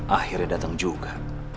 akhirnya datang juga